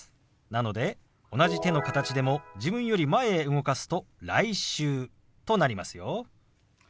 なので同じ手の形でも自分より前へ動かすと「来週」となりますよ。